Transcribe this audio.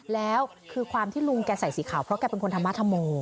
แล้วคือความที่ลุงแกใส่สีขาวเพราะแกเป็นคนธรรมธรรโม